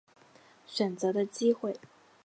选择的机会